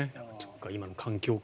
今の環境か。